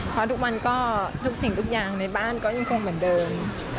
เพราะทุกวันก็ทุกสิ่งทุกอย่างในบ้านก็ยังคงเหมือนเดิม